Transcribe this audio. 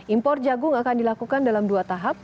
impor jagung akan dilakukan dalam dua tahap